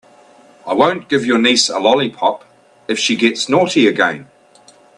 I won't give your niece a lollipop if she gets naughty again.